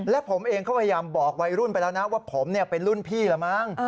และผมเองก็พยายามบอกวัยรุ่นไปแล้วนะว่าผมเป็นรุ่นพี่ละมั้ง